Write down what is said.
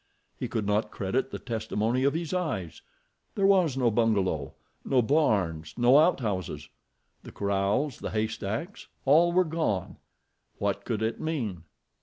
He could not credit the testimony of his eyes—there was no bungalow—no barns—no out houses. The corrals, the hay stacks—all were gone. What could it mean?